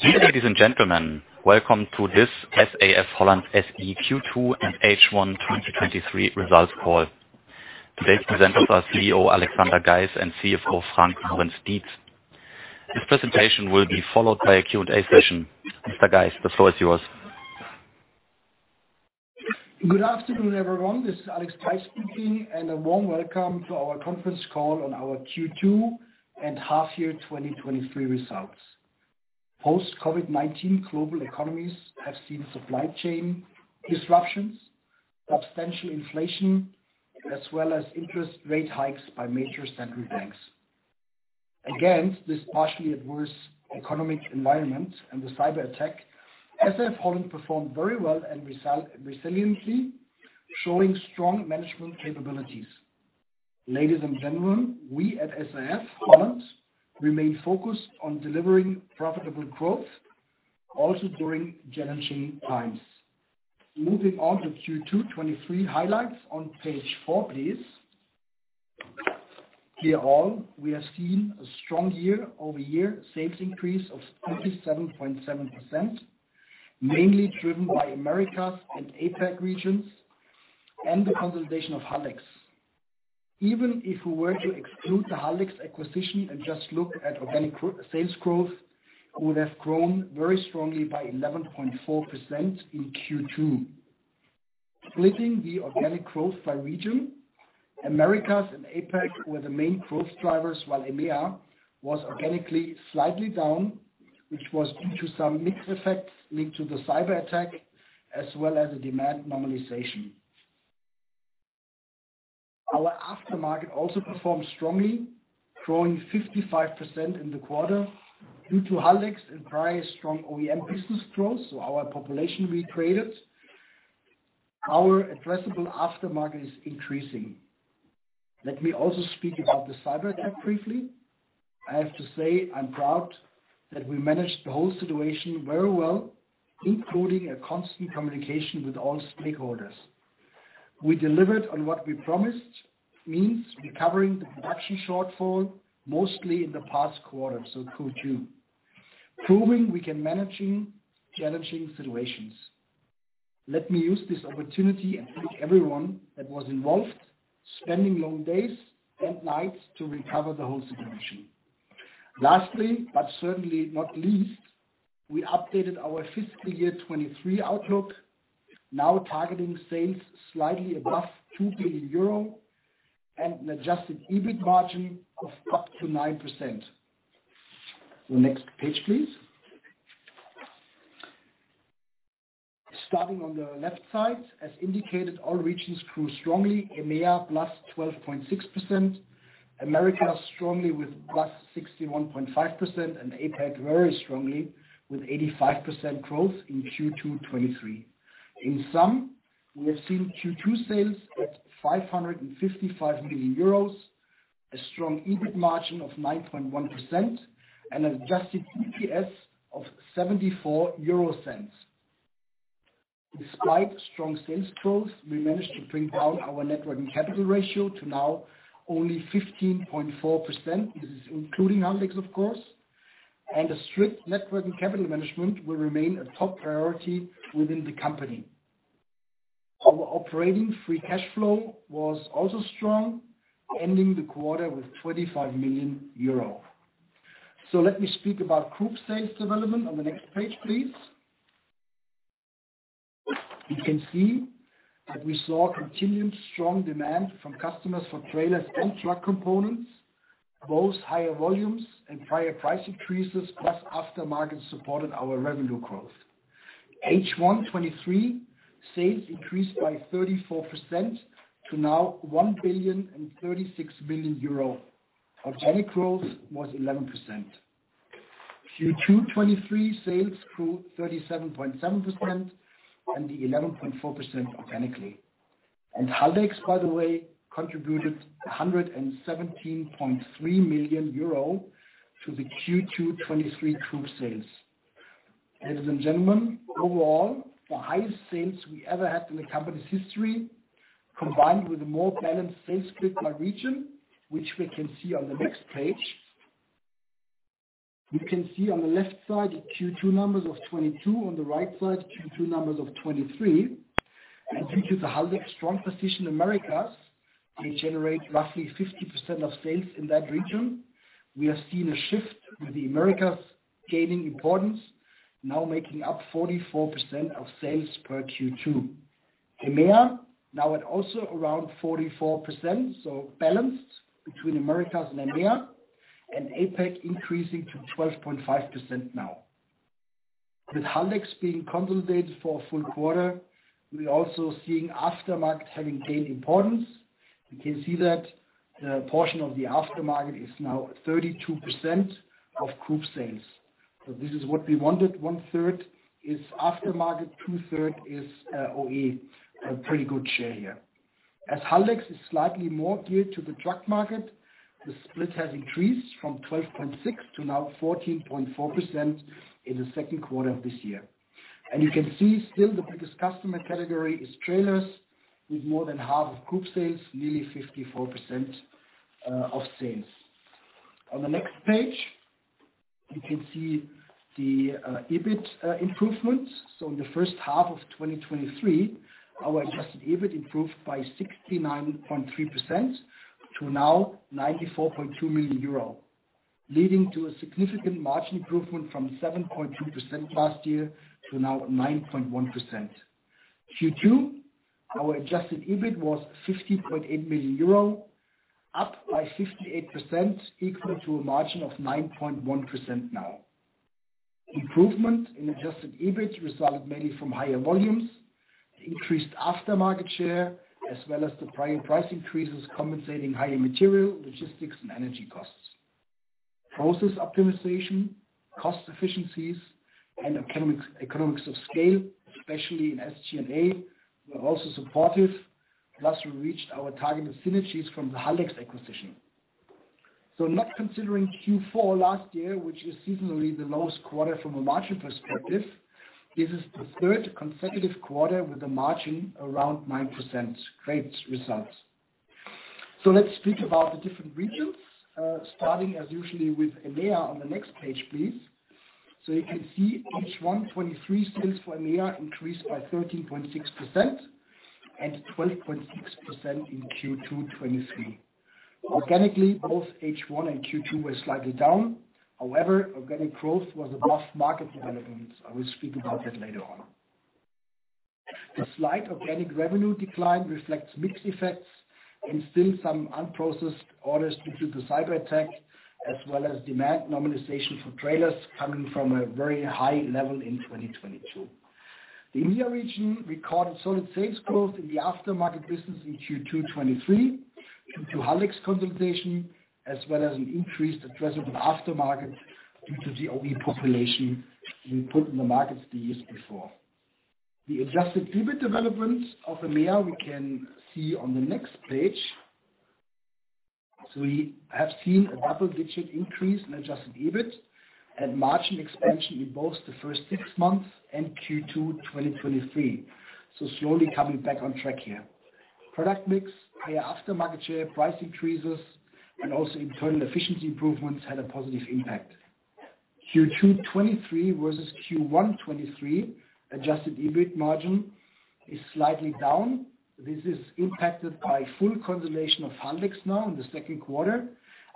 Ladies and gentlemen, welcome to this SAF-HOLLAND Q2 and H1 2023 Results Call. Today's presenters are CEO, Alexander Geis, and CFO, Frank Lorenz-Dietz. This presentation will be followed by a Q&A session. Mr. Geis, the floor is yours. Good afternoon, everyone. This is Alex Geis speaking. A warm welcome to our conference call on our Q2 and half year 2023 results. Post-COVID-19 global economies have seen supply chain disruptions, substantial inflation, as well as interest rate hikes by major central banks. Against this partially adverse economic environment and the cyberattack, SAF-HOLLAND performed very well and resiliently, showing strong management capabilities. Ladies and gentlemen, we at SAF-HOLLAND remain focused on delivering profitable growth, also during challenging times. Moving on to Q2 2023 highlights on page four, please. Here all, we are seeing a strong year-over-year sales increase of 37.7%, mainly driven by Americas and APAC regions and the consolidation of Haldex. Even if we were to exclude the Haldex acquisition and just look at organic sales growth, we would have grown very strongly by 11.4% in Q2. Splitting the organic growth by region, Americas and APAC were the main growth drivers, while EMEA was organically slightly down, which was due to some mixed effects linked to the cyberattack, as well as the demand normalization. Our aftermarket also performed strongly, growing 55% in the quarter due to Haldex and prior strong OEM business growth, Our population recreated. Our addressable aftermarket is increasing. Let me also speak about the cyberattack briefly. I have to say, I'm proud that we managed the whole situation very well, including a constant communication with all stakeholders. We delivered on what we promised, means recovering the production shortfall, mostly in the past quarter, so Q2, proving we can managing challenging situations. Let me use this opportunity and thank everyone that was involved, spending long days and nights to recover the whole situation. Lastly, but certainly not least, we updated our fiscal year 2023 outlook, now targeting sales slightly above 2 billion euro and an Adjusted EBIT margin of up to 9%. The next page, please. Starting on the left side, as indicated, all regions grew strongly, EMEA, +12.6%, Americas strongly with +61.5%, and APAC very strongly with 85% growth in Q2 2023. In sum, we have seen Q2 sales at 555 million euros, a strong EBIT margin of 9.1%, and Adjusted EPS of EUR 0.74. Despite strong sales growth, we managed to bring down our net working capital ratio to now only 15.4%. This is including Haldex, of course, and a strict net working capital management will remain a top priority within the company. Our operating free cash flow was also strong, ending the quarter with 25 million euro. Let me speak about group sales development on the next page, please. You can see that we saw continued strong demand from customers for trailers and truck components, both higher volumes and prior price increases, plus aftermarket supported our revenue growth. H1 2023 sales increased by 34% to now 1.036 billion. Organic growth was 11%. Q2 2023 sales grew 37.7% and 11.4% organically. Haldex, by the way, contributed 117.3 million euro to the Q2 2023 group sales. Ladies and gentlemen, overall, the highest sales we ever had in the company's history, combined with a more balanced sales split by region, which we can see on the next page. You can see on the left side, the Q2 numbers of 2022, on the right side, Q2 numbers of 2023. Due to the Haldex strong position in Americas, they generate roughly 50% of sales in that region. We are seeing a shift with the Americas gaining importance, now making up 44% of sales per Q2. EMEA, now at also around 44%, balanced between Americas and EMEA, and APAC increasing to 12.5% now. With Haldex being consolidated for a full quarter, we're also seeing aftermarket having gained importance. We can see that the portion of the aftermarket is now 32% of group sales. This is what we wanted. 1/3 is aftermarket, 2/3 is OE. A pretty good share here. As Haldex is slightly more geared to the truck market, the split has increased from 12.6 to now 14.4% in the second quarter of this year. You can see still the biggest customer category is trailers, with more than half of group sales, nearly 54% of sales. On the next page, you can see the EBIT improvements. In the first half of 2023, our Adjusted EBIT improved by 69.3% to now 94.2 million euro, leading to a significant margin improvement from 7.2% last year to now 9.1%. Q2, our Adjusted EBIT was 60.8 million euro, up by 58%, equal to a margin of 9.1% now. Improvement in Adjusted EBIT resulted mainly from higher volumes, increased aftermarket share, as well as the price increases compensating higher material, logistics, and energy costs. Process optimization, cost efficiencies, and economics of scale, especially in SG&A, were also supportive. We reached our targeted synergies from the Haldex acquisition. Not considering Q4 last year, which is seasonally the lowest quarter from a margin perspective, this is the third consecutive quarter with a margin around 9%. Great results. Let's speak about the different regions, starting as usually with EMEA on the next page, please. You can see H1 2023 sales for EMEA increased by 13.6% and 12.6% in Q2 2023. Organically, both H1 and Q2 were slightly down. However, organic growth was above market developments. I will speak about that later on. The slight organic revenue decline reflects mixed effects and still some unprocessed orders due to the cyberattack, as well as demand normalization for trailers coming from a very high level in 2022. The EMEA region recorded solid sales growth in the aftermarket business in Q2 2023, due to Haldex consolidation, as well as an increased addressable aftermarket due to the OE population we put in the markets the years before. The Adjusted EBIT development of EMEA, we can see on the next page. We have seen a double-digit increase in Adjusted EBIT and margin expansion in both the first six months and Q2 2023. Slowly coming back on track here. Product mix, higher aftermarket share, price increases, and also internal efficiency improvements had a positive impact. Q2 2023 versus Q1 2023, Adjusted EBIT margin is slightly down. This is impacted by full consolidation of Haldex now in the second quarter,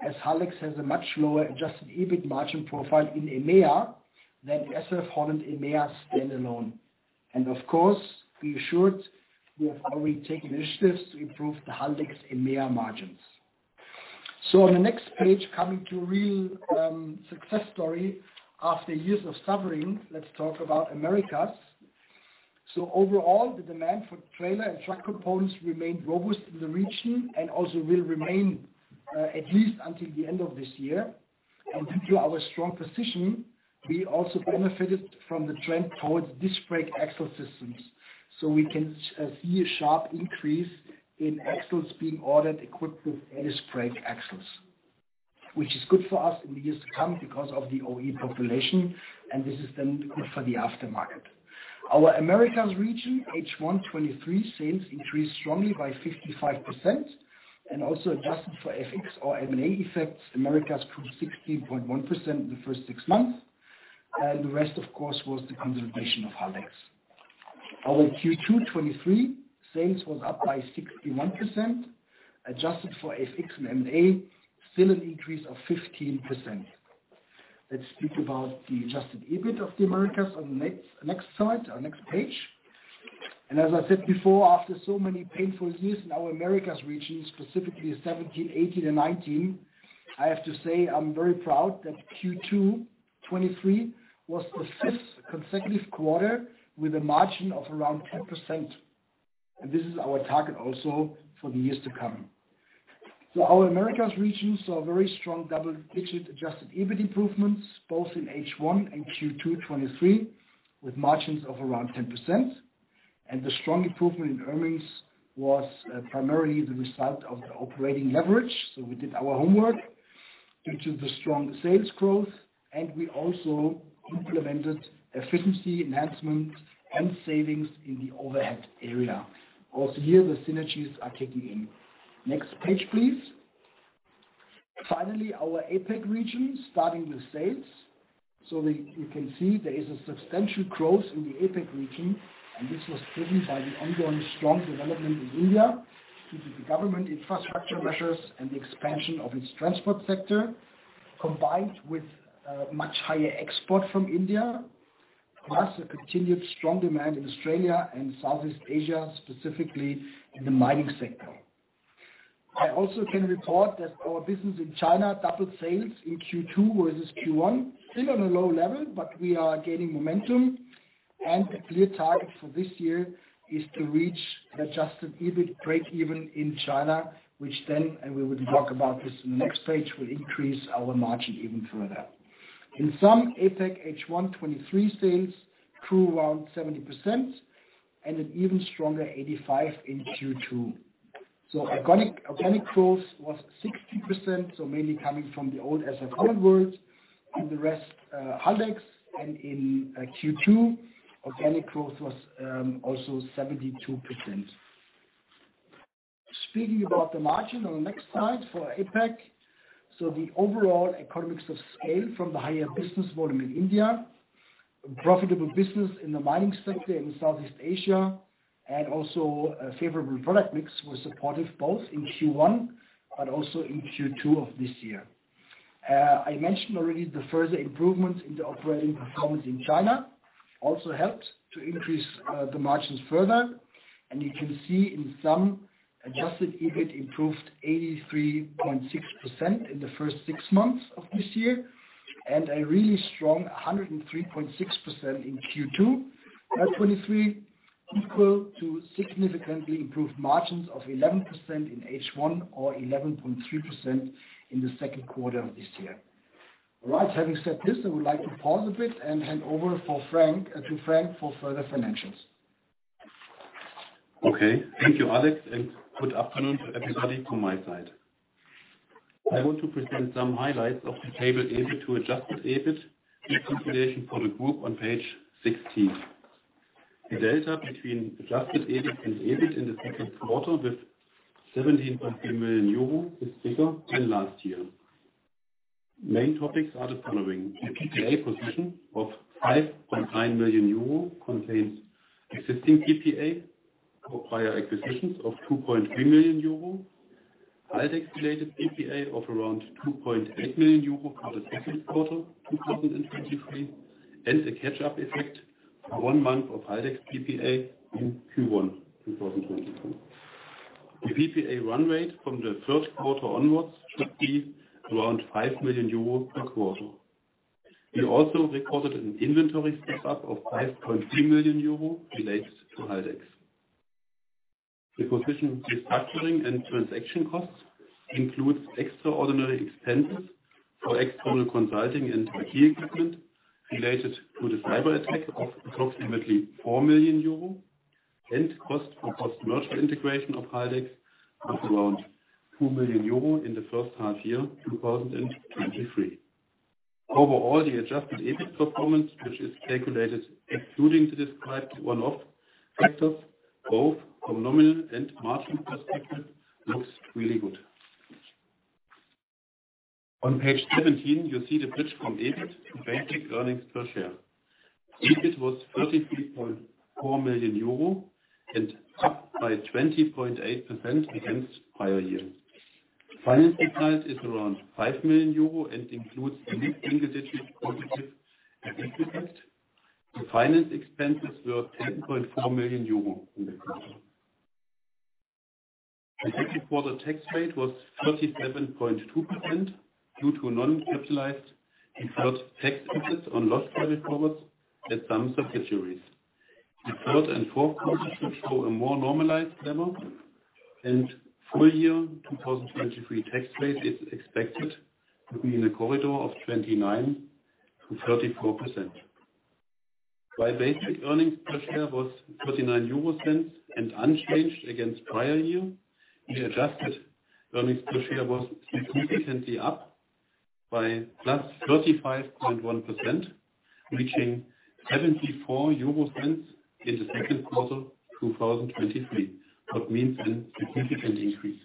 as Haldex has a much lower Adjusted EBIT margin profile in EMEA than SAF-HOLLAND EMEA standalone. Of course, be assured, we have already taken initiatives to improve the Haldex EMEA margins. On the next page, coming to a real success story after years of suffering, let's talk about Americas. Overall, the demand for trailer and truck components remained robust in the region and also will remain at least until the end of this year. Due to our strong position, we also benefited from the trend towards disc brake axle systems. We can see a sharp increase in axles being ordered equipped with disc brake axles, which is good for us in the years to come because of the OE population, and this is then good for the aftermarket. Our Americas region, H1 2023, sales increased strongly by 55%. Also adjusted for FX or M&A effects, Americas grew 16.1% in the first six months. The rest, of course, was the consolidation of Haldex. Our Q2 2023 sales was up by 61%, adjusted for FX and M&A, still an increase of 15%. Let's speak about the Adjusted EBIT of the Americas on the next slide or next page. As I said before, after so many painful years in our Americas region, specifically 2017, 2018, and 2019, I have to say, I'm very proud that Q2 2023 was the fifth consecutive quarter with a margin of around 10%. This is our target also for the years to come. Our Americas region saw a very strong double-digit Adjusted EBIT improvements, both in H1 and Q2 2023, with margins of around 10%. The strong improvement in earnings was primarily the result of the operating leverage, so we did our homework, due to the strong sales growth, and we also implemented efficiency enhancements and savings in the overhead area. Also, here, the synergies are kicking in. Next page, please. Finally, our APAC region, starting with sales. You can see there is a substantial growth in the APAC region, and this was driven by the ongoing strong development in India, due to the government infrastructure measures and the expansion of its transport sector, combined with much higher export from India, plus a continued strong demand in Australia and Southeast Asia, specifically in the mining sector. I also can report that our business in China doubled sales in Q2 versus Q1. Still on a low level, but we are gaining momentum, and the clear target for this year is to reach Adjusted EBIT break even in China, which then, and we will talk about this in the next page, will increase our margin even further. In sum, APAC H1 2023 sales grew around 70% and an even stronger 85% in Q2. Organic, organic growth was 60%, so mainly coming from the old SAF-HOLLAND world and the rest, Haldex, and in Q2, organic growth was also 72%. Speaking about the margin on the next slide for APAC. The overall economics of scale from the higher business volume in India, profitable business in the mining sector in Southeast Asia, and also a favorable product mix was supportive both in Q1 but also in Q2 of this year. I mentioned already the further improvements in the operating performance in China also helped to increase the margins further. You can see, Adjusted EBIT improved 83.6% in the first six months of this year, and a really strong 103.6% in Q2. That's 2023, equal to significantly improved margins of 11% in H1, or 11.3% in the second quarter of this year. All right, having said this, I would like to pause a bit and hand over for Frank to Frank for further financials. Okay. Thank you, Alex. Good afternoon, everybody, from my side. I want to present some highlights of the table EBIT to Adjusted EBIT reconciliation for the group on page 16. The data between Adjusted EBIT and EBIT in the second quarter, with 17.3 million euro, is bigger than last year. Main topics are the following: the PPA position of 5.9 million euro contains existing PPA for prior acquisitions of 2.3 million euro, Haldex-related PPA of around 2.8 million euro for the second quarter, 2023, and a catch-up effect for one month of Haldex PPA in Q1, 2022. The PPA run rate from the third quarter onwards should be around 5 million euros per quarter. We also recorded an inventory stock up of 5.3 million euros related to Haldex. The position restructuring and transaction costs includes extraordinary expenses for external consulting and IT equipment related to the cyber attack of approximately 4 million euro, and cost for post-merger integration of Haldex of around 2 million euro in the first half year 2023. Overall, the Adjusted EBIT performance, which is calculated excluding the described one-off factors, both from nominal and margin perspective, looks really good. On page 17, you see the bridge from EBIT to basic earnings per share. EBIT was 33.4 million euro, up by 20.8% against prior year. Finance result is around 5 million euro, includes a net individual positive effect. The finance expenses were 10.4 million euros in the quarter. The second quarter tax rate was 37.2% due to non-capitalized deferred tax assets on loss carryforwards at some subsidiaries. The third and fourth quarters should show a more normalized level, and full year 2023 tax rate is expected to be in a corridor of 29%-34%. While basic earnings per share was 0.39 and unchanged against prior year, the adjusted earnings per share was significantly up by +35.1%, reaching 0.74 in the second quarter, 2023. That means a significant increase.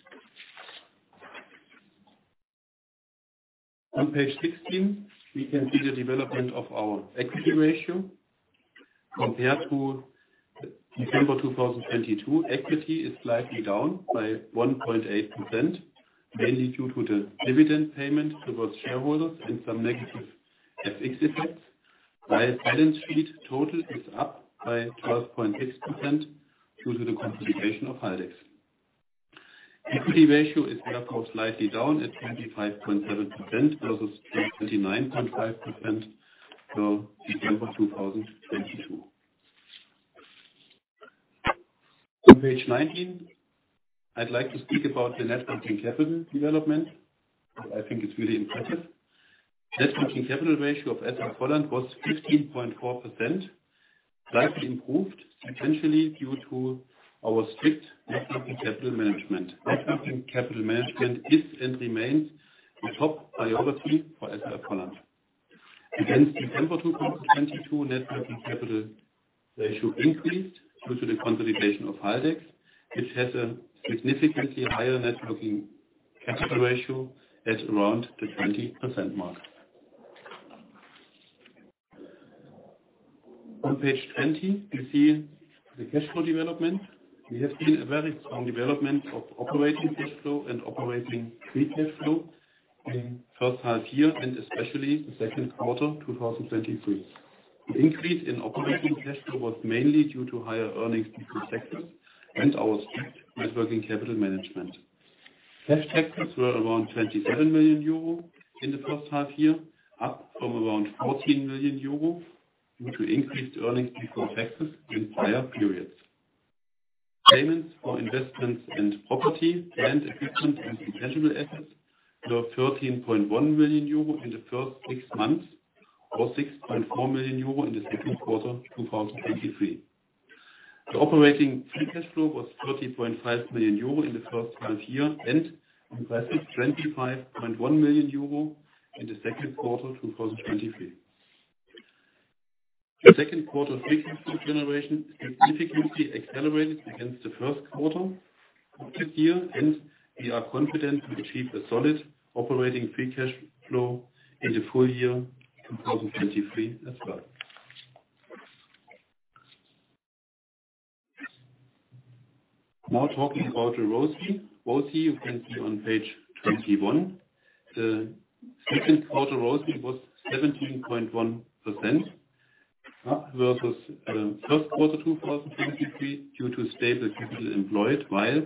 On page 16, we can see the development of our equity ratio. Compared to December 2022, equity is slightly down by 1.8%, mainly due to the dividend payment towards shareholders and some negative FX effects, while balance sheet total is up by 12.6% due to the consolidation of Haldex. Equity ratio is therefore slightly down at 25.7% versus 29.5% for December 2022. On page 19, I'd like to speak about the net working capital development. I think it's really impressive. Net working capital ratio of SAF-HOLLAND was 15.4%, slightly improved, essentially due to our strict net working capital management. Net working capital management is and remains the top priority for SAF-HOLLAND. Against December 2022, net working capital ratio increased due to the consolidation of Haldex, which has a significantly higher net working capital ratio at around the 20% mark. On page 20, you see the cash flow development. We have seen a very strong development of operating cash flow and operating free cash flow in first half-year, and especially the second quarter 2023. The increase in operating cash flow was mainly due to higher earnings before taxes and our strict net working capital management. Cash taxes were around 27 million euro in the first half year, up from around 14 million euro, due to increased earnings before taxes in prior periods. Payments for investments and property and equipment and intangible assets were 13.1 million euro in the first six months, or 6.4 million euro in the second quarter, 2023. The operating free cash flow was 13.5 million euro in the first half year, and impressive 25.1 million euro in the second quarter, 2023. The second quarter free cash flow generation is significantly accelerated against the first quarter of this year. We are confident we achieve a solid operating free cash flow in the full year 2023 as well. Now talking about the ROCE, ROCE you can see on page 21. The second quarter ROCE was 17.1% versus first quarter 2023, due to stable people employed, while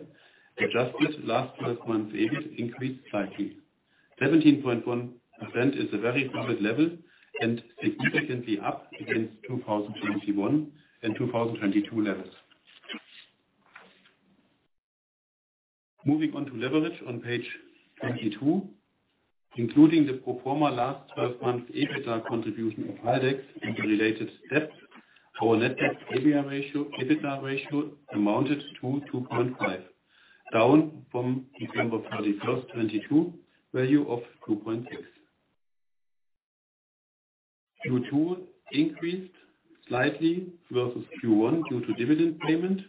adjusted last 12 months EBIT increased slightly. 17.1% is a very solid level, significantly up against 2021 and 2022 levels. Moving on to leverage on page 22, including the pro forma last 12 months, EBITDA contribution of Haldex and the related steps, our net debt EBITDA ratio, EBITDA ratio amounted to 2.5, down from December 31, 2022, value of 2.6. Q2 increased slightly versus Q1, due to dividend payment,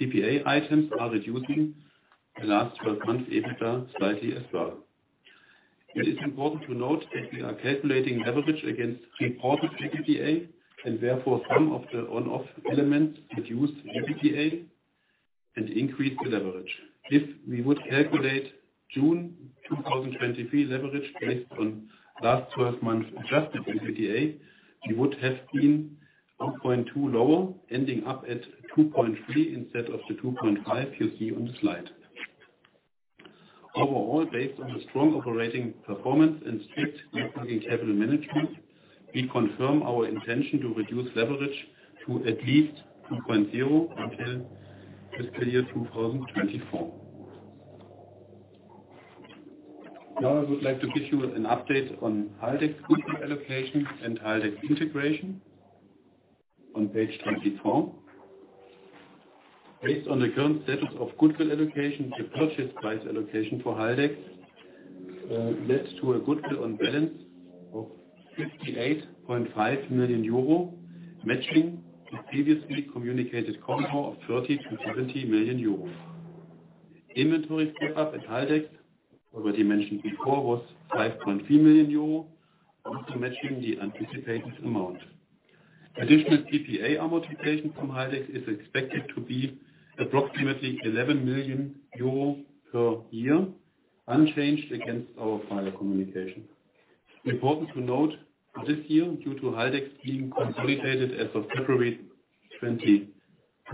PPA items are reducing the last twelve months EBITDA slightly as well. It is important to note that we are calculating leverage against reported PPA, therefore, some of the one-off items reduce PPA and increase the leverage. If we would calculate June 2023 leverage based on last 12 months Adjusted PPA, we would have been 0.2 lower, ending up at 2.3 instead of the 2.5 you see on the slide. Overall, based on the strong operating performance and strict working capital management, we confirm our intention to reduce leverage to at least 2.0 until fiscal year 2024. I would like to give you an update on Haldex goodwill allocation and Haldex integration on page 24. Based on the current status of goodwill allocation, the purchase price allocation for Haldex led to a goodwill on balance of 58.5 million euro, matching the previously communicated corridor of 30 million-70 million euro. Inventory stock up at Haldex, already mentioned before, was 5.3 million euro, also matching the anticipated amount. Additional PPA amortization from Haldex is expected to be approximately 11 million euro per year, unchanged against our prior communication. Important to note, this year, due to Haldex being consolidated as of February 21st,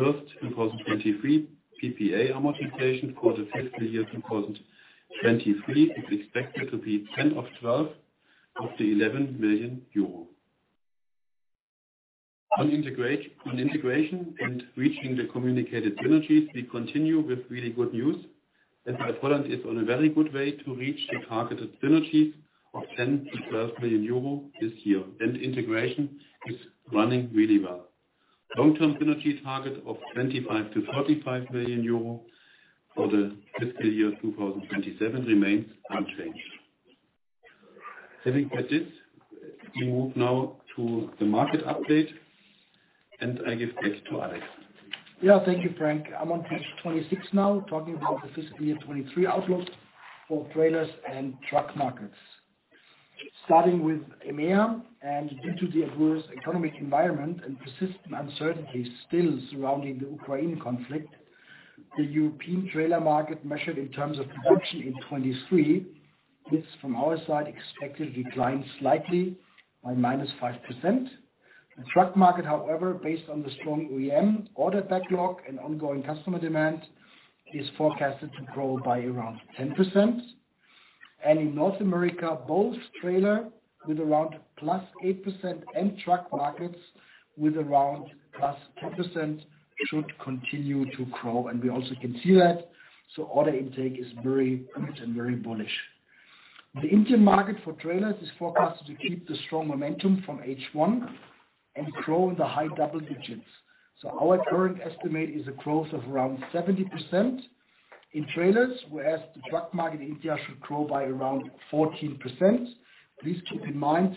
2023, PPA amortization for the fiscal year 2023 is expected to be 10 of 12 of the 11 million euro. On integration and reaching the communicated synergies, we continue with really good news. SAF-HOLLAND is on a very good way to reach the targeted synergies of 10 million-12 million euro this year. Integration is running really well. Long-term synergy target of 25 million-35 million euro for the fiscal year 2027 remains unchanged. I think that's it. We move now to the market update. I give this to Alex. Yeah, thank you, Frank. I'm on page 26 now, talking about the fiscal year 2023 outlook for trailers and truck markets. Starting with EMEA, due to the adverse economic environment and persistent uncertainty still surrounding the Ukraine conflict, the European trailer market measured in terms of production in 2023, is from our side, expected to decline slightly by -5%. The truck market, however, based on the strong OEM order backlog and ongoing customer demand, is forecasted to grow by around 10%. In North America, both trailer with around +8%, and truck markets with around +10%, should continue to grow, and we also can see that, so order intake is very good and very bullish. The India market for trailers is forecasted to keep the strong momentum from H1 and grow in the high double digits. Our current estimate is a growth of around 70% in trailers, whereas the truck market in India should grow by around 14%. Please keep in mind,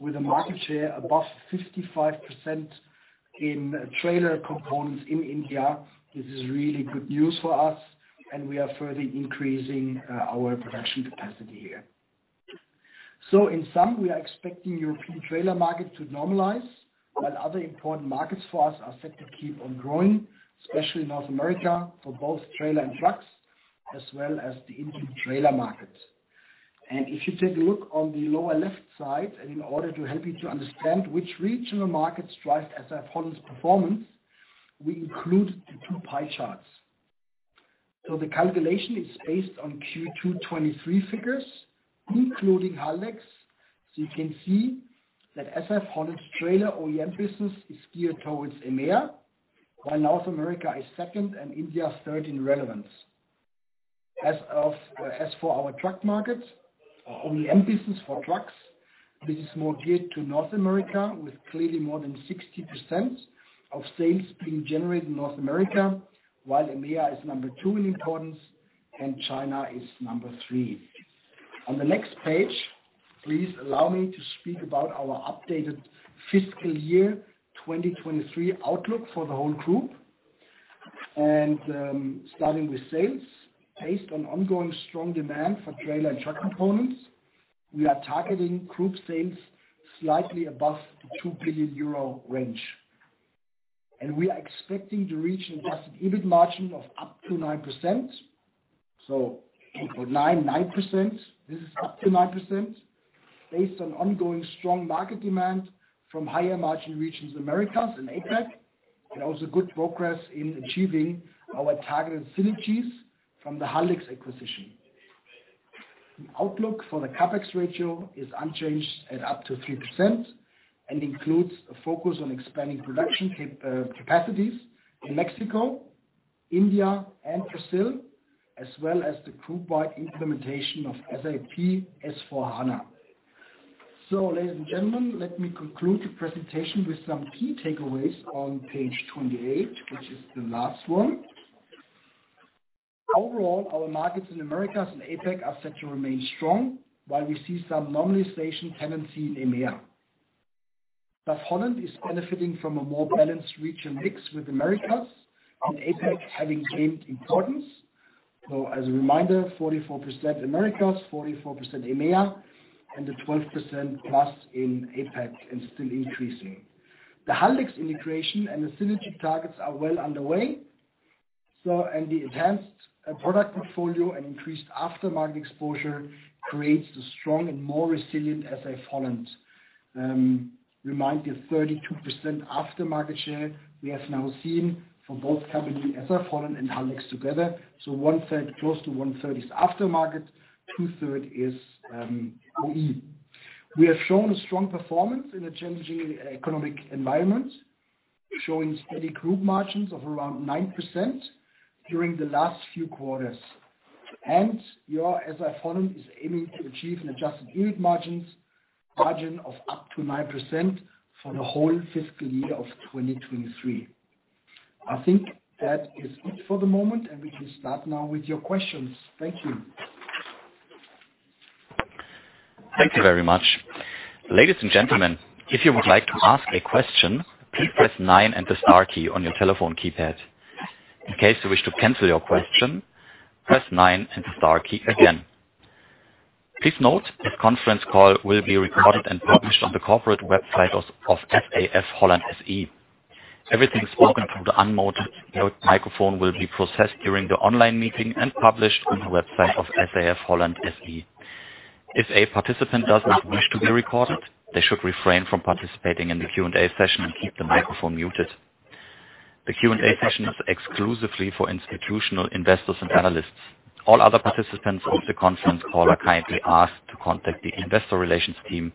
with a market share above 55% in trailer components in India, this is really good news for us, and we are further increasing our production capacity here. In sum, we are expecting European trailer market to normalize, while other important markets for us are set to keep on growing, especially North America, for both trailer and trucks, as well as the Indian trailer markets. If you take a look on the lower left side, and in order to help you to understand which regional markets drive SAF-HOLLAND's performance, we include the two pie charts. The calculation is based on Q2 2023 figures, including Haldex. You can see that SAF-HOLLAND's trailer OEM business is geared towards EMEA, while North America is second and India is third in relevance. Our OEM business for trucks, this is more geared to North America, with clearly more than 60% of sales being generated in North America, while EMEA is number two in importance and China is number three. On the next page, please allow me to speak about our updated fiscal year 2023 outlook for the whole group. Starting with sales, based on ongoing strong demand for trailer and truck components, we are targeting group sales slightly above the 2 billion euro range. We are expecting to reach an Adjusted EBIT margin of up to 9%, so 0.49, 9%. This is up to 9%, based on ongoing strong market demand from higher margin regions, Americas and APAC, also good progress in achieving our targeted synergies from the Haldex acquisition. The outlook for the CapEx ratio is unchanged at up to 3%, includes a focus on expanding production capacities in Mexico, India, and Brazil, as well as the group-wide implementation of SAP S/4HANA. Ladies and gentlemen, let me conclude the presentation with some key takeaways on page 28, which is the last one. Overall, our markets in Americas and APAC are set to remain strong, while we see some normalization tendency in EMEA. SAF-HOLLAND is benefiting from a more balanced regional mix, with Americas and APAC having gained importance. As a reminder, 44% Americas, 44% EMEA, and the 12% plus in APAC, and still increasing. The Haldex integration and the synergy targets are well underway, the enhanced product portfolio and increased aftermarket exposure creates a strong and more resilient SAF-HOLLAND. Reminder, 32% aftermarket share, we have now seen for both company, SAF-HOLLAND and Haldex together. One-third, close to one-third is aftermarket, 2/3 is OE. We have shown a strong performance in a challenging economic environment, showing steady group margins of around 9% during the last few quarters. Your SAF-HOLLAND is aiming to achieve an Adjusted EBIT margins, margin of up to 9% for the whole fiscal year of 2023. I think that is it for the moment, we can start now with your questions. Thank you. Thank you very much. Ladies and gentlemen, if you would like to ask a question, please press nine and the star key on your telephone keypad. In case you wish to cancel your question, press nine and star key again. Please note, this conference call will be recorded and published on the corporate website of SAF-HOLLAND SE. Everything spoken through the unmuted microphone will be processed during the online meeting and published on the website of SAF-HOLLAND SE. If a participant doesn't wish to be recorded, they should refrain from participating in the Q&A session and keep the microphone muted. The Q&A session is exclusively for institutional investors and analysts. All other participants of the conference call are kindly asked to contact the investor relations team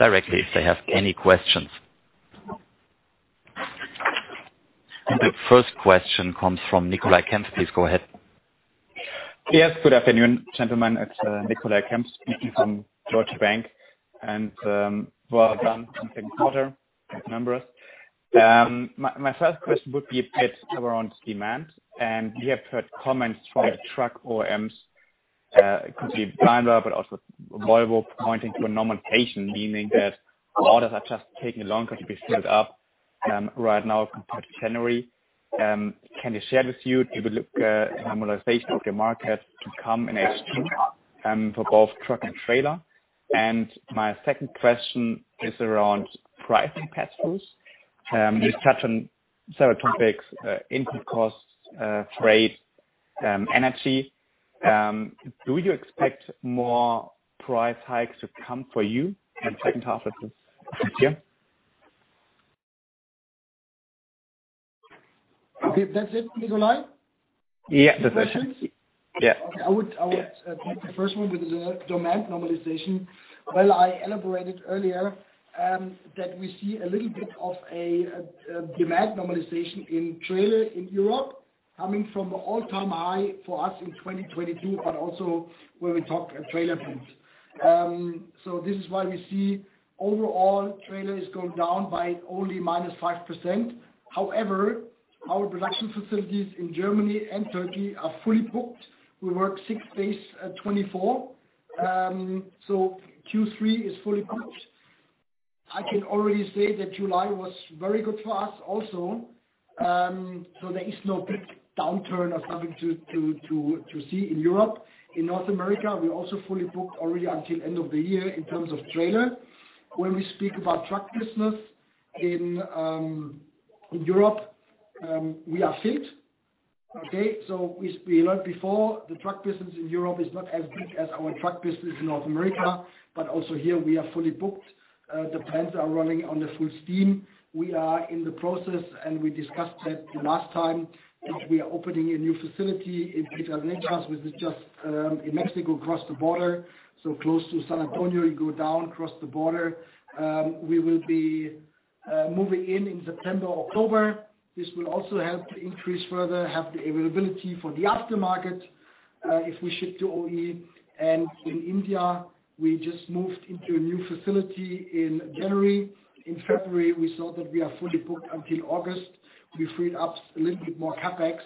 directly if they have any questions. The first question comes from Nicolai Kempf. Please go ahead. Yes, good afternoon, gentlemen. It's Nicolai Kempf, speaking from Deutsche Bank, and well done on the quarter, numerous. My first question would be a bit around demand. We have heard comments from the truck OEMs, could be Daimler, but also Volvo, pointing to a normalization, meaning that orders are just taking longer to be filled up right now compared to January. Can you share, you believe, normalization of the market to come in H2 for both truck and trailer? My second question is around pricing pass-throughs. We touched on several topics, input costs, trade, energy. Do you expect more price hikes to come for you in the second half of this year? Okay. That's it, Nicolai? Yeah, that's it. Yeah. Okay. Yeah. Take the first one, with the demand normalization. Well, I elaborated earlier that we see a little bit of a demand normalization in trailer in Europe, coming from an all-time high for us in 2022, but also when we talk trailer points. This is why we see overall, trailers go down by only -5%. However, our production facilities in Germany and Turkey are fully booked. We work six days at 24. Q3 is fully booked. I can already say that July was very good for us also. There is no big downturn or something to see in Europe. In North America, we're also fully booked already until end of the year in terms of trailer. When we speak about truck business, in in Europe, we are filled. Okay, we, we learned before, the truck business in Europe is not as big as our truck business in North America. Also here we are fully booked. The plants are running under full steam. We are in the process, and we discussed that the last time, that we are opening a new facility in Piedras Negras, which is just in Mexico, across the border, so close to San Antonio, you go down across the border. We will be moving in in September, October. This will also help to increase further, have the availability for the aftermarket, if we ship to OE. In India, we just moved into a new facility in January. In February, we saw that we are fully booked until August. We freed up a little bit more CapEx,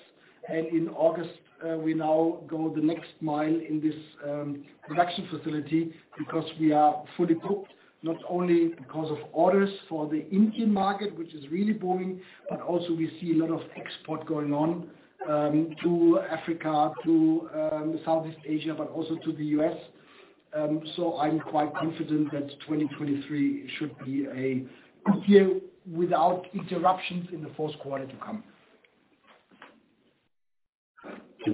and in August, we now go the next mile in this production facility because we are fully booked, not only because of orders for the Indian market, which is really booming, but also we see a lot of export going on, to Africa, to Southeast Asia, but also to the U.S. I'm quite confident that 2023 should be a good year without interruptions in the fourth quarter to come.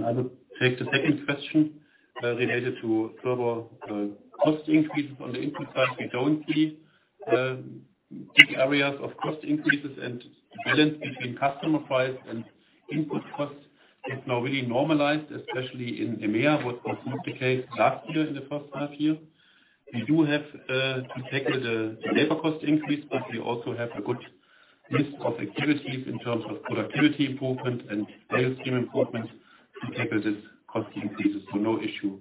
I would take the second question related to further cost increases. On the input side, we don't see big areas of cost increases, and the balance between customer price and input costs is now really normalized, especially in EMEA, what was not the case last year in the first half year. We do have to tackle the labor cost increase, but we also have a good list of activities in terms of productivity improvement and value stream improvements to tackle these cost increases, so no issue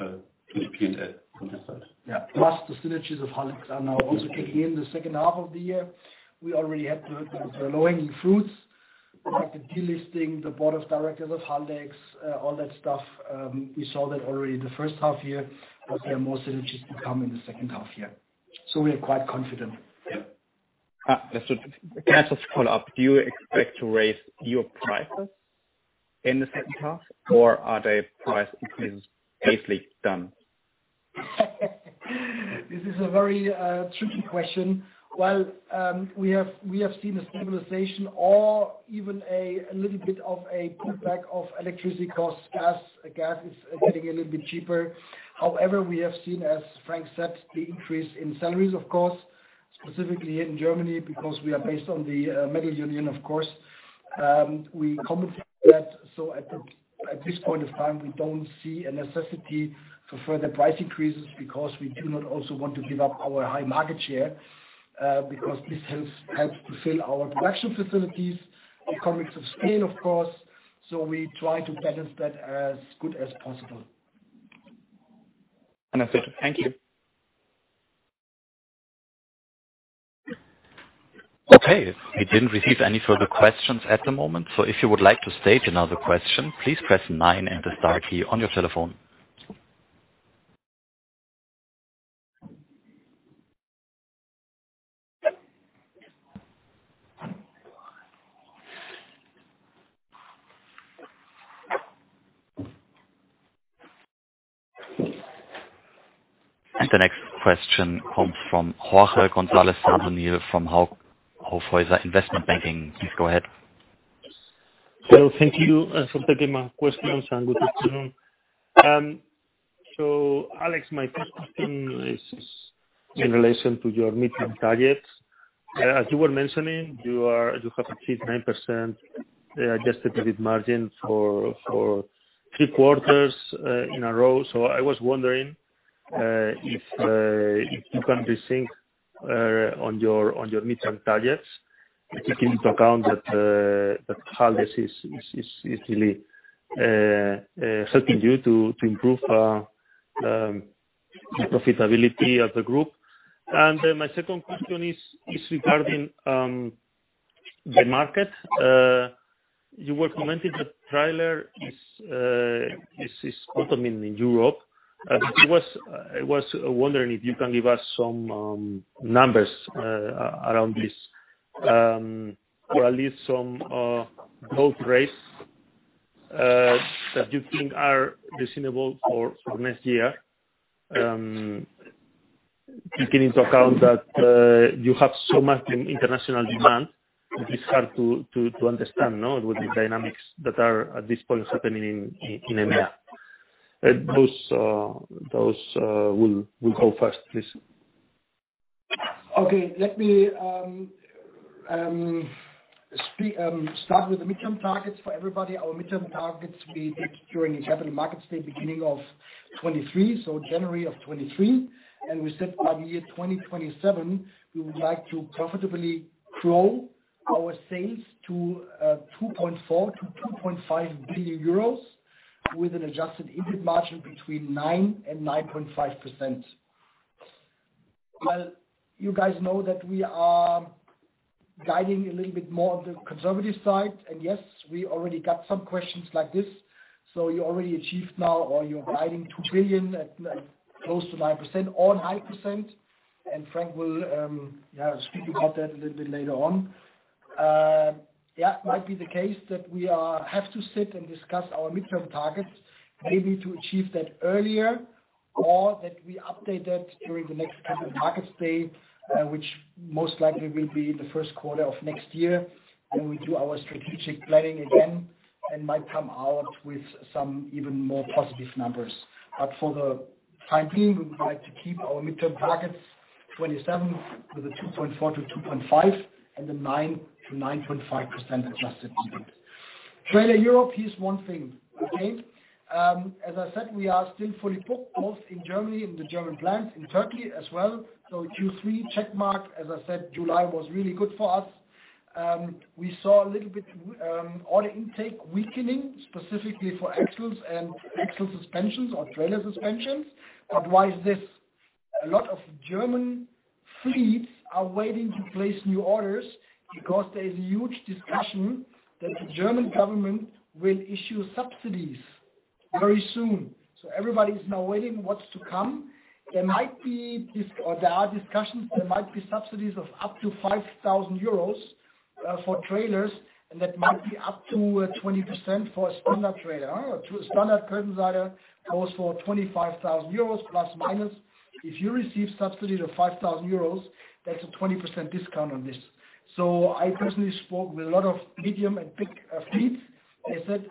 to the P&L from this side. Yeah. Plus, the synergies of Haldex are now also kicking in the second half of the year. We already had the, the low-hanging fruits, like the delisting, the board of directors of Haldex, all that stuff. We saw that already in the first half year, there are more synergies to come in the second half year, we are quite confident. Yeah. Can I just follow up? Do you expect to raise your prices in the second half, or are the price increases basically done? This is a very tricky question. While we have, we have seen a stabilization or even a little bit of a pullback of electricity costs, gas, gas is getting a little bit cheaper. However, we have seen, as Frank said, the increase in salaries, of course, specifically here in Germany, because we are based on the IG Metall, of course. We compensate that, so at this point of time, we don't see a necessity for further price increases because we do not also want to give up our high market share, because this helps, helps to fill our production facilities, economics of scale, of course. So we try to balance that as good as possible. Wonderful. Thank you. Okay. We didn't receive any further questions at the moment, so if you would like to state another question, please press nine and the star key on your telephone. The next question comes from Jorge Gonzalez Sadornil from Hauck Aufhäuser Investment Banking. Please go ahead. Well, thank you for taking my questions and good afternoon. Alex, my first question is in relation to your midterm targets. As you were mentioning, you have achieved 9% Adjusted EBIT margin for three quarters in a row. I was wondering if you can rethink on your midterm targets, taking into account that Haldex is really helping you to improve the profitability of the group. My second question is regarding the market. You were commenting that trailer is bottom in Europe. I was wondering if you can give us some numbers around this or at least some growth rates that you think are reasonable for next year. Taking into account that you have so much in international demand, it is hard to understand, no, with the dynamics that are at this point happening in EMEA. We'll go first, please. Okay. Let me start with the midterm targets. For everybody, our midterm targets we did during the capital markets day, beginning of 2023, so January of 2023. We said by the year 2027, we would like to profitably grow our sales to 2.4 billion-2.5 billion euros, with an Adjusted EBIT margin between 9% and 9.5%. You guys know that we are guiding a little bit more on the conservative side, and yes, we already got some questions like this. You already achieved now or you're guiding 2 billion at close to 9% or 9%, and Frank will, yeah, speak about that a little bit later on. Yeah, might be the case that we have to sit and discuss our midterm targets, maybe to achieve that earlier, or that we update that during the next capital markets day, which most likely will be the first quarter of next year, when we do our strategic planning again and might come out with some even more positive numbers. For the time being, we would like to keep our midterm targets, 2027, with a EUR 2.4 billion-EUR 2.5 billion, and the 9%-9.5% Adjusted EBIT. Trailer Europe is one thing, okay? As I said, we are still fully booked, both in Germany, in the German plants, in Turkey as well. Q3, check mark. As I said, July was really good for us. We saw a little bit, order intake weakening, specifically for axles and axle suspensions or trailer suspensions. Why is this? A lot of German fleets are waiting to place new orders because there is a huge discussion that the German government will issue subsidies very soon. Everybody is now waiting what's to come. There might be this, or there are discussions, there might be subsidies of up to 5,000 euros for trailers, and that might be up to 20% for a standard trailer. A standard curtainsider goes for 25,000 euros, plus minus. If you receive subsidy of 5,000 euros, that's a 20% discount on this. I personally spoke with a lot of medium and big fleets. They said,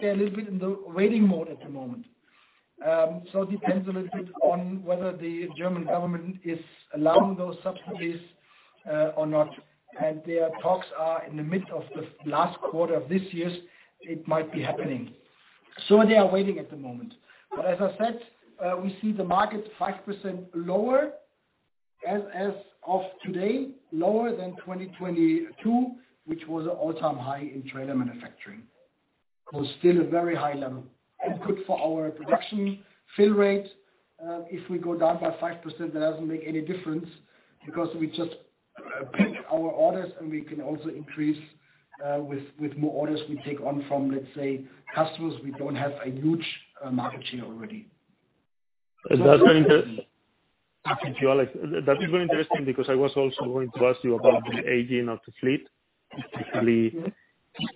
they're a little bit in the waiting mode at the moment. It depends a little bit on whether the German government is allowing those subsidies, or not, and their talks are in the midst of the last quarter of this year. It might be happening. They are waiting at the moment. As I said, we see the market 5% lower as of today, lower than 2022, which was an all-time high in trailer manufacturing. Still a very high level and good for our production fill rate. If we go down by 5%, that doesn't make any difference because we just pick our orders, and we can also increase with more orders we take on from, let's say, customers we don't have a huge market share already. That's very thank you, Alex. That is very interesting because I was also going to ask you about the aging of the fleet, particularly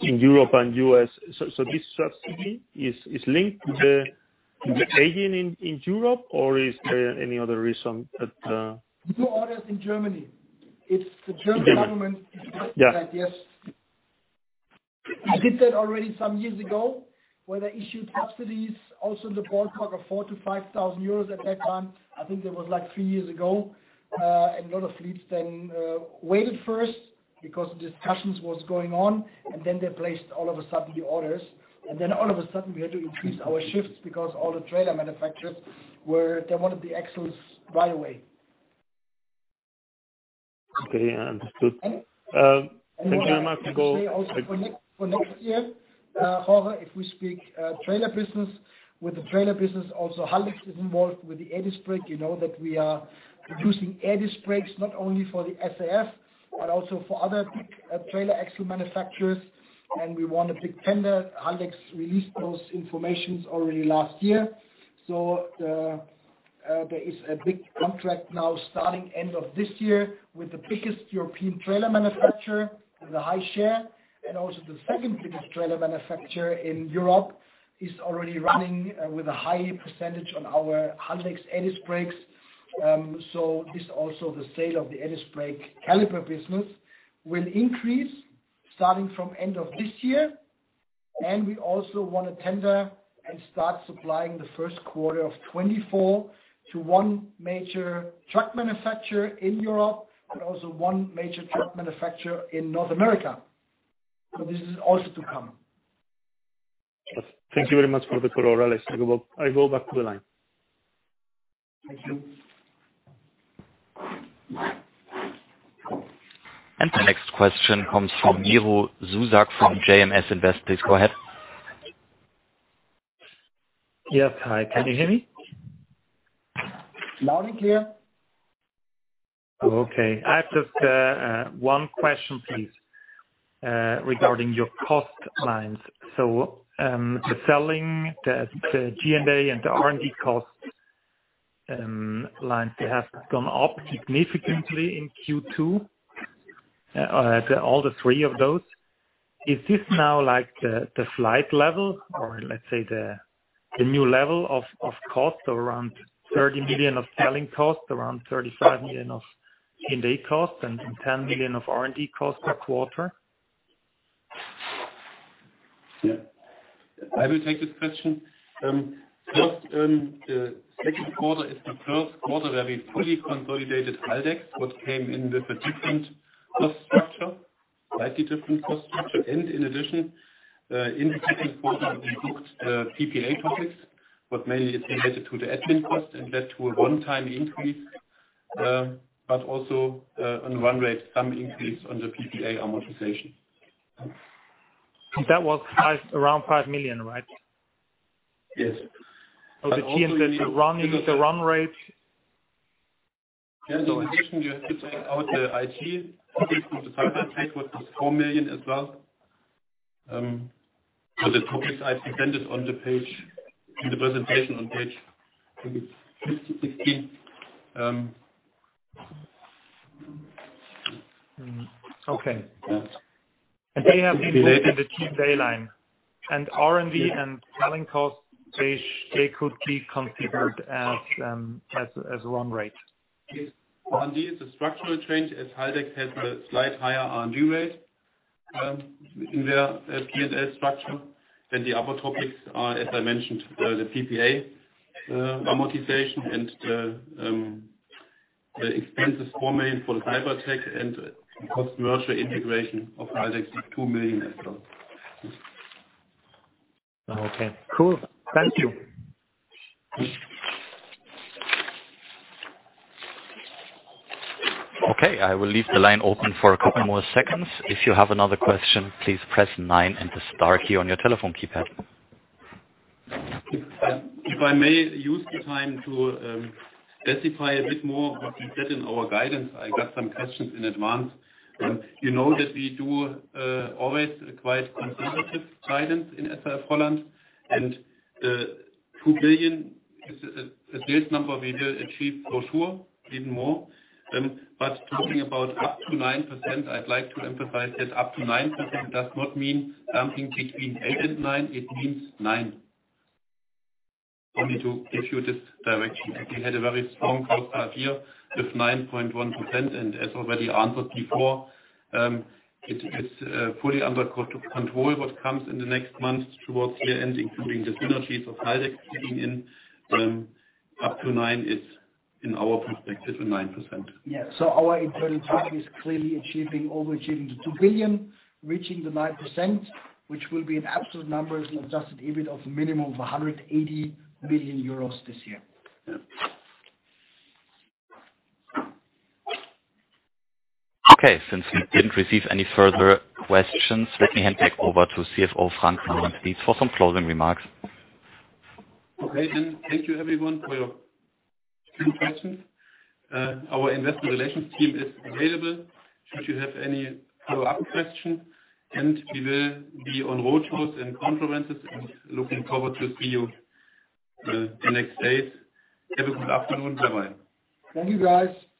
in Europe and U.S. So this subsidy is, is linked to the, the aging in, in Europe, or is there any other reason that? New orders in Germany. It's the German government. Yeah. That, yes. They did that already some years ago, where they issued subsidies, also in the ballpark of 4,000-5,000 euros at that time. I think that was, like, three years ago. A lot of fleets then, waited first because discussions was going on, and then they placed all of a sudden the orders. Then all of a sudden, we had to increase our shifts because all the trailer manufacturers were. They wanted the axles right away. Okay, understood. Thank you very much. For next, for next year, however, if we speak trailer business, with the trailer business, also, Haldex is involved with the EBS Brake. You know that we are producing EBS Brakes, not only for the SAF, but also for other big trailer axle manufacturers, and we won a big tender. Haldex released those informations already last year. The, there is a big contract now starting end of this year with the biggest European trailer manufacturer, with a high share, and also the second biggest trailer manufacturer in Europe, is already running with a high percentage on our Haldex EBS Brakes. This also the sale of the EBS Brake caliper business will increase starting from end of this year, and we also won a tender and start supplying the first quarter of 2024 to one major truck manufacturer in Europe, and also one major truck manufacturer in North America. This is also to come. Thank you very much for the clear overview. I go back to the line. Thank you. The next question comes from Miro Zuzak, from JMS Invest. Please go ahead. Yes, hi. Can you hear me? Loud and clear. Okay. I have just a one question, please, regarding your cost lines. The selling, the G&A and the R&D costs, lines, they have gone up significantly in Q2, all the three of those. Is this now, like, the flight level or let's say, the new level of cost, around 30 million of selling costs, around 35 million of G&A costs, and 10 million of R&D costs per quarter? Yeah. I will take this question. First, the second quarter is the first quarter that we fully consolidated Haldex, what came in with a different cost structure, slightly different cost structure. In addition, in the second quarter, we booked PPA topics, what mainly is related to the admin cost and led to a one-time increase, also on run rate, some increase on the PPA amortization. That was five, around 5 million, right? Yes. The G&A running, the run rate? Yeah, in addition, you have to take out the IT, which was EUR 4 million as well. The topics I presented on the page, in the presentation on page, I think it's 60-15. Okay. they have included the G&A line, and R&D and selling costs, they could be considered as run rate? Yes. R&D is a structural change, as Haldex has a slight higher R&D rate in their G&A structure than the other topics are, as I mentioned, the PPA amortization and the expenses, 4 million for cyber tech and post-merger integration of Haldex, is 2 million as well. Okay, cool. Thank you. Okay, I will leave the line open for a couple more seconds. If you have another question, please press nine and the star key on your telephone keypad. If I may use the time to specify a bit more what we said in our guidance, I got some questions in advance. You know that we do always require conservative guidance in SAF-HOLLAND, and 2 billion is a sales number we will achieve for sure, even more. Talking about up to 9%, I'd like to emphasize that up to 9% does not mean something between eight and nine, it means 9%. Only to give you this direction. We had a very strong cost start year with 9.1%, and as already answered before, it's fully under control what comes in the next months towards the end, including the synergies of Haldex kicking in. Up to nine is, in our perspective, 9%. Yeah. our internal target is clearly achieving, overachieving the 2 billion, reaching the 9%, which will be an absolute number as an Adjusted EBIT of a minimum of 180 million euros this year. Yeah. Okay. Since we didn't receive any further questions, let me hand back over to CFO Frank Lorenz-Dietz, please, for some closing remarks. Okay. Thank you everyone for your questions. Our investor relations team is available, should you have any follow-up questions, and we will be on road shows and conferences, and looking forward to see you the next days. Have a good afternoon, bye-bye. Thank you, guys.